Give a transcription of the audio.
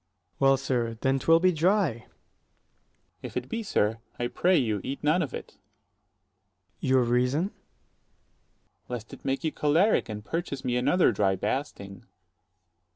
Ant. S. Well, sir, then 'twill be dry. Dro. S. If it be, sir, I pray you, eat none of it. Ant. S. Your reason? 60 Dro. S. Lest it make you choleric, and purchase me another dry basting.